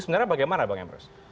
sebenarnya bagaimana bang emruz